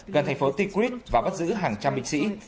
gần thành phố tikrid và bắt giữ hàng trăm binh sĩ